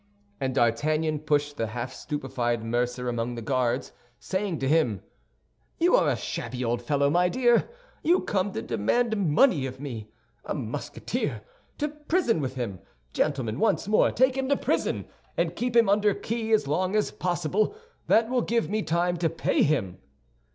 And D'Artagnan pushed the half stupefied mercer among the Guards, saying to him, "You are a shabby old fellow, my dear. You come to demand money of me—of a Musketeer! To prison with him! Gentlemen, once more, take him to prison, and keep him under key as long as possible; that will give me time to pay him."